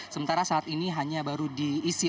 sementara saat ini hanya baru diisi